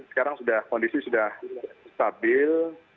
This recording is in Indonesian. sekarang kondisi sudah stabil